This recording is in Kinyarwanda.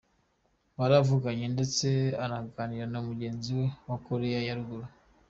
Baravuganye ndetse anaganira na mugenzi we wa Koreya ya Ruguru.